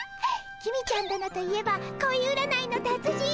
公ちゃん殿といえば恋占いの達人！